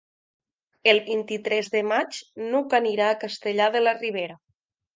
El vint-i-tres de maig n'Hug anirà a Castellar de la Ribera.